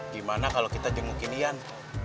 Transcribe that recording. gimana kalau kita jengukin ian